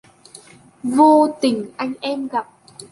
Vô tình anh gặp em